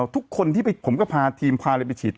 ทุกคนที่ไปผมก็พาความปานิดไปฉีด